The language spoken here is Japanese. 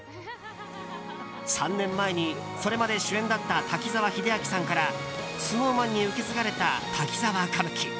３年前に、それまで主演だった滝沢秀明さんからＳｎｏｗＭａｎに受け継がれた「滝沢歌舞伎」。